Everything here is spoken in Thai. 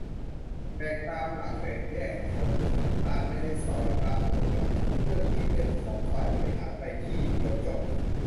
แบ่งตามหลักแบ่งแยก-ถ่วงดุลอำนาจ ไม่ได้ซอยตามหน่วยงาน ทุกเรื่องที่เป็นของฝ่ายบริหาร ไป ที่เดียวจบ